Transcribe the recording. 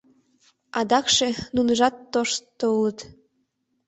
Адакше нуныжат тошто улыт.